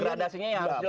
berapa orang ditangkap kok